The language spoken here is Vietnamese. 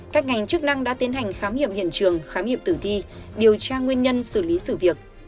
các ngành chức năng đã tiến hành khám hiểm hiện trường khám hiểm tử thi điều tra nguyên nhân xử lý xử việc